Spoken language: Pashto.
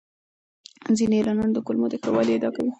ځینې اعلانونه د کولمو د ښه والي ادعا کوي.